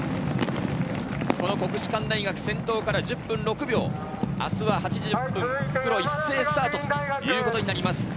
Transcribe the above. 国士舘大学、先頭から１０分６秒、明日は８時１０分、復路一斉スタートということになります。